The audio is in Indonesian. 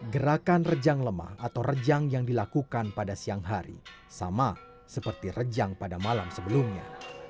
gerakan rejang lemah atau rejang yang dilakukan pada siang hari sama seperti rejang pada malam sebelumnya